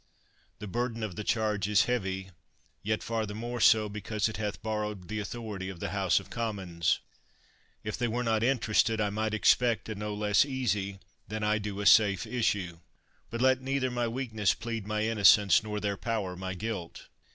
The burden of the charge is heavy, yet far the more so because it hath borrowed the authority of the House of Commons. If they were not interested I might expect a no less easy than I do a safe issue. But let neither my weakness plead my innocence nor their power my guilt.